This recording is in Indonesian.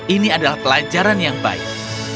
ini adalah pelajaran yang baik